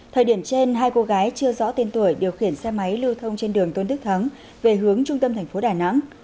thời điểm trên hai cô gái chưa rõ tên tuổi điều khiển xe máy lưu thông trên đường tôn thức thắng về hướng trung tâm tp đà nẵng